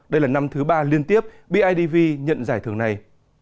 đây là năm thứ ba liên tiếp bidv nhận giải thưởng này